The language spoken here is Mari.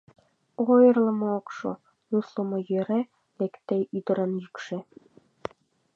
О-ойырлымо ок шу, — нюслымо йӧре лекте ӱдырын йӱкшӧ.